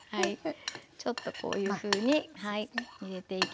ちょっとこういうふうに入れていきます。